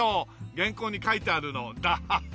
原稿に書いてあるのダハハ！